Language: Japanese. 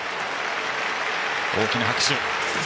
大きな拍手。